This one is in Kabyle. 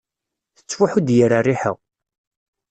Tettfuḥu-d yir rriḥa.